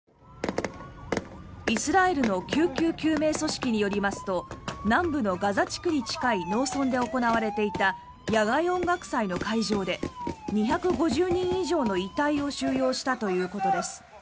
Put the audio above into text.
イスラエルの救急救命組織によりますと南部のガザ地区に近い農村で行われていた野外音楽祭の会場で２５０人以上の遺体を収容したということです。